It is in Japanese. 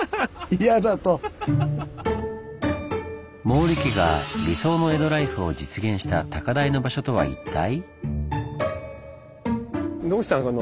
毛利家が理想の江戸ライフを実現した高台の場所とは一体？